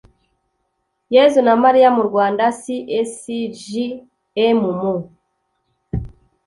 yezu na mariya mu rwanda cscjm mu